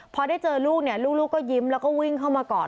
พอได้เจอลูกเนี่ยลูกก็ยิ้มแล้วก็วิ่งเข้ามากอด